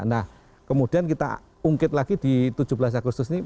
nah kemudian kita ungkit lagi di tujuh belas agustus ini